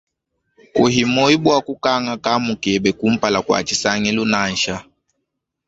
Kuhi moyo bua kukanga kaamu keba kumpala kua tshisangilu nansha.